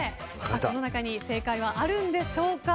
この中に正解はあるんでしょうか。